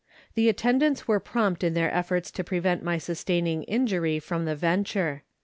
The attendants were prompt in their efforts to prevent my sustaining injury from the venture. But VOL.